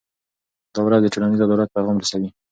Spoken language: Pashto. دا ورځ د ټولنیز عدالت پیغام رسوي.